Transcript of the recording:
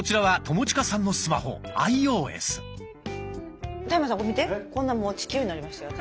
こんなもう地球になりましたよ